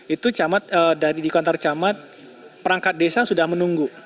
itu di kantor camat perangkat desa sudah menunggu